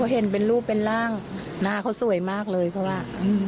เห็นเป็นรูปเป็นร่างหน้าเขาสวยมากเลยเพราะว่า